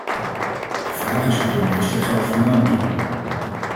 De vraag is waar dit extra geld vandaan moet komen.